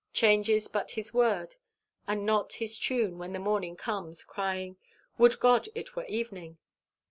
changes but his word, and not his tune, when the morning comes, crying, 'Would God it were evening!